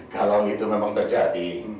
kalau itu memang terjadi